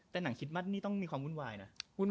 แต่หนังคิดว่านี่ต้องมีความวุ่นวายนะ